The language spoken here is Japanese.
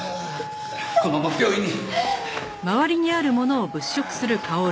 このまま病院に。